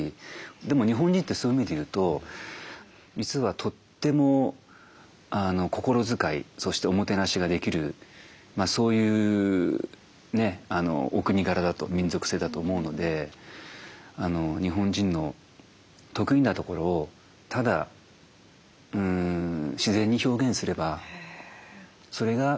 でも日本人ってそういう意味で言うと実はとっても心遣いそしておもてなしができるそういうねお国柄だと民族性だと思うので日本人の得意なところをただ自然に表現すればそれが結果的に支援になる。